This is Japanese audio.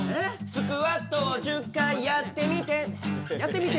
スクワットを１０回やってみてやってみて！？